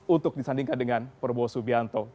untuk disandingkan dengan prabowo subianto